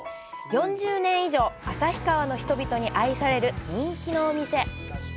４０年以上、旭川の人々に愛される人気のお店。